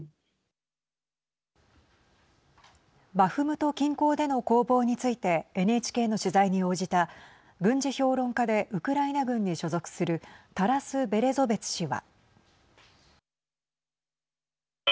バフムト近郊での攻防についてＮＨＫの取材に応じた軍事評論家でウクライナ軍に所属するタラス・ベレゾベツ氏は。